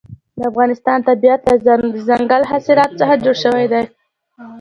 د افغانستان طبیعت له دځنګل حاصلات څخه جوړ شوی دی.